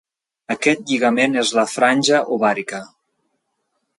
Aquest lligament és la franja ovàrica.